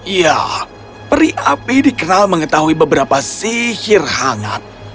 ya peri api dikenal mengetahui beberapa sihir hangat